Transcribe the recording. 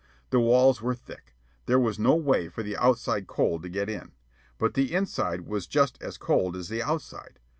The walls were thick. There was no way for the outside cold to get in. But the inside was just as cold as the outside.